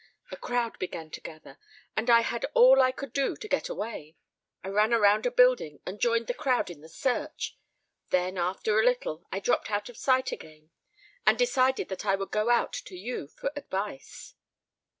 A crowd began to gather and I had all I could do to get away. I ran around a building and joined the crowd in the search; then, after a little, I dropped out of sight again and decided that I would go out to you for advice."